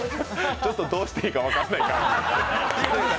ちょっとどうしていいか分からない感じ。